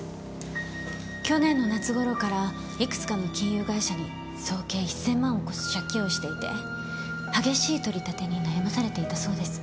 去年の夏頃からいくつかの金融会社に総計１千万を超す借金をしていて激しい取り立てに悩まされていたそうです。